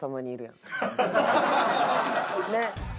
ねっ？